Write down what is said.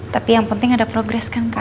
tapi yang penting ada progres kan kak